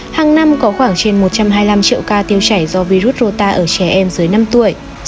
hàng năm có khoảng trên một trăm hai mươi năm triệu ca tiêu chảy do virus rota ở trẻ em dưới năm tuổi